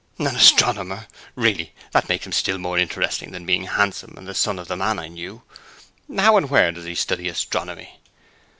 'An astronomer! Really, that makes him still more interesting than being handsome and the son of a man I knew. How and where does he study astronomy?'